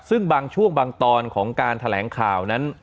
ซึ่งบางช่วงบางตอนของการแถลงข่าวนั้น